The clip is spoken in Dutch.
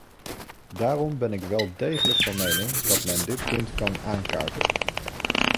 Daarom ben ik wel degelijk van mening dat men dit punt kan aankaarten.